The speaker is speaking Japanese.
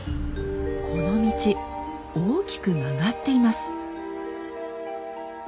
この道大きく曲がっています。